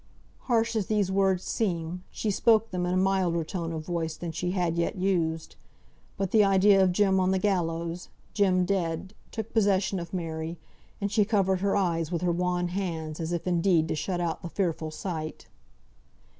Harsh as these words seem, she spoke them in a milder tone of voice than she had yet used. But the idea of Jem on the gallows, Jem dead, took possession of Mary, and she covered her eyes with her wan hands, as if indeed to shut out the fearful sight.